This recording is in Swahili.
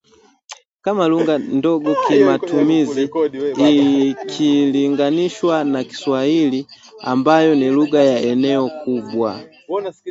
kama lugha ndogo kimatumizi ikilinganishwa na Kiswahili ambayo ni lugha ya eneo kubwa